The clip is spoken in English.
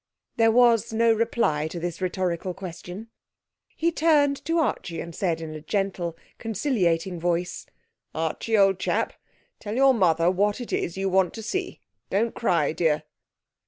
There was no reply to this rhetorical question. He turned to Archie and said in a gentle, conciliating voice: 'Archie, old chap, tell your mother what it is you want to see. Don't cry, dear.'